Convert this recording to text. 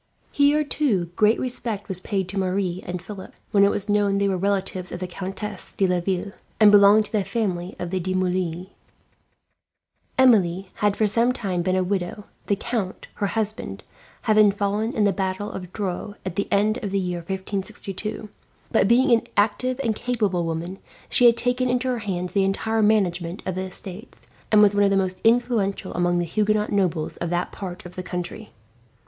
Here, too, great respect was paid to Marie and Philip when it was known they were relatives of the Countess de Laville, and belonged to the family of the De Moulins. Emilie had for some time been a widow the count, her husband, having fallen at the battle of Dreux, at the end of the year 1562 but being an active and capable woman, she had taken into her hands the entire management of the estates, and was one of the most influential among the Huguenot nobles of that part of the country.